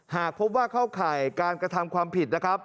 หากพบว่าเข้าข่ายการกระทำความผิดนะครับ